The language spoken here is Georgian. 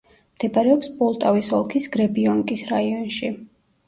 მდებარეობს პოლტავის ოლქის გრებიონკის რაიონში.